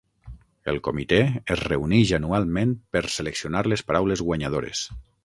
El Comitè es reuneix anualment per seleccionar les paraules guanyadores.